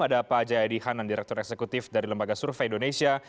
ada pak jayadi hanan direktur eksekutif dari lembaga survei indonesia